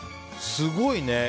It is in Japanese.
すごいね。